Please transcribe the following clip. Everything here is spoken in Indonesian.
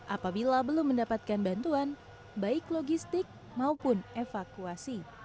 apabila belum mendapatkan bantuan baik logistik maupun evakuasi